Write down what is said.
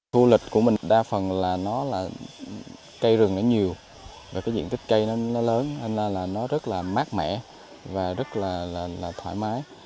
khu du lịch của mình đa phần là cây rừng nhiều diện tích cây lớn rất mát mẻ và rất thoải mái